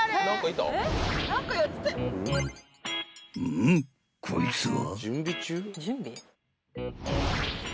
［うん？こいつは？］